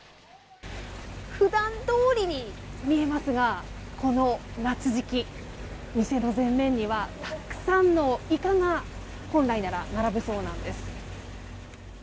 普段どおりに見えますがこの夏時期、店の前面にはたくさんのイカが本来なら並ぶそうなんです。